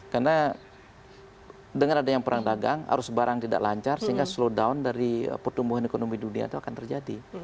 karena dengan adanya perang dagang arus barang tidak lancar sehingga slow down dari pertumbuhan ekonomi dunia itu akan terjadi